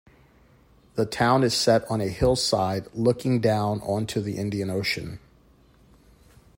The town is set on a hillside looking down onto the Indian Ocean.